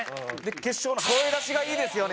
決勝の声出しがいいですよね